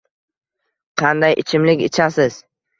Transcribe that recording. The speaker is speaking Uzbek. Qanday ichimlik ichasiz?